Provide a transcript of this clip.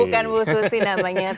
bukan bu susi namanya